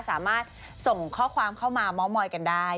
สามารถส่งข้อความเข้ามาเมาส์มอยกันได้